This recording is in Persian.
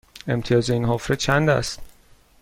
امتیاز این حفره چند است؟